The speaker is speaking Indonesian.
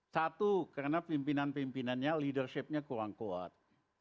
satu karena pimpinan pimpinannya leadershipnya kurang kuat